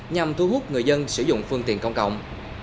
nhằm thu hút người dân sử dụng phương tiện công cộng